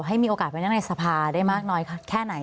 ให้มีโอกาสไปนั่งในสภาได้มากน้อยแค่ไหน